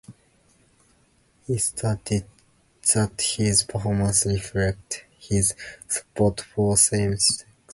He stated that his performance reflected his support for same-sex marriages.